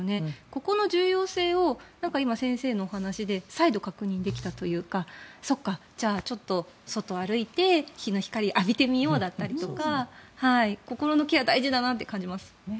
ここの重要性を先生のお話で再度確認できたというかそうか、ちょっと外を歩いて日の光浴びてみようだったりとか心のケア大事だなと感じます。